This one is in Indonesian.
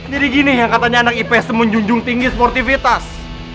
jadi gini yang katanya anak ips menjunjung tinggi sportivitas